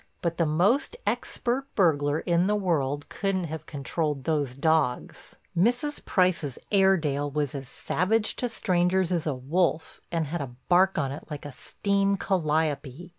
But the most expert burglar in the world couldn't have controlled those dogs—Mrs. Price's Airdale was as savage to strangers as a wolf and had a bark on it like a steam calliope.